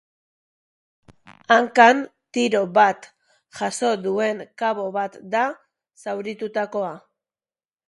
Hankan tiro bat jaso duen kabo bat da zauritutakoa.